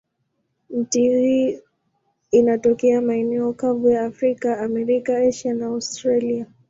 Miti hii inatokea maeneo kavu ya Afrika, Amerika, Asia na Australia.